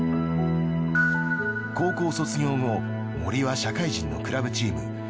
高校卒業後森は社会人のクラブチーム